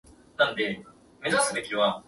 災害対策車